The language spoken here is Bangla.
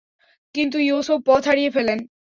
কিন্তু ইউসুফ পথ হারিয়ে ফেলেন।